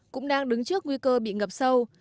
cũng đang đứng trước nguy cơ bị ngập sâu